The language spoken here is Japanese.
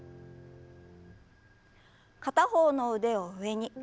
片方の腕を上に。